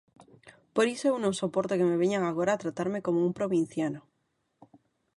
Por iso eu non soporto que me veñan agora a tratarme como un provinciano.